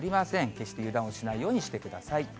決して油断をしないようにしてください。